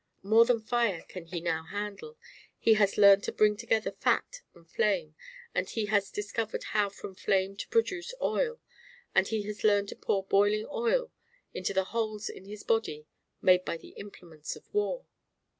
More than fire can he now handle; he has learned to bring together fat and flame; and he has discovered how from flame to produce oil; and he has learned to pour boiling oil into the holes in his body made by the implements of war.